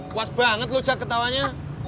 kuas banget lu cak ketawanya